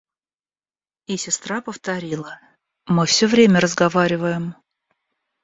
И сестра повторила: — Мы все время разговариваем.